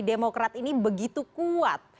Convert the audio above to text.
demokrat ini begitu kuat